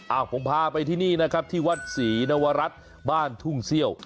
ผมพาไปที่นี่นะครับที่วัดศรีนวรัฐบ้านทุ่งเซี่ยว